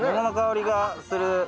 桃の香りがする。